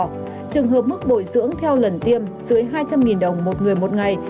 trong trường hợp mức bồi dưỡng theo lần tiêm dưới hai trăm linh đồng một người một ngày